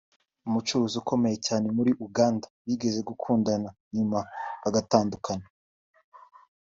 umucuruzi ukomeye cyane muri Uganda bigeze gukundana nyuma bagatandukana